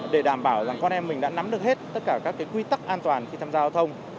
để đảm bảo rằng con em mình đã nắm được hết tất cả các quy tắc an toàn khi tham gia giao thông